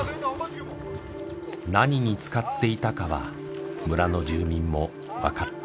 何に使っていたかは村の住民もわかっていない。